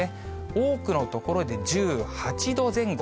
多くの所で１８度前後。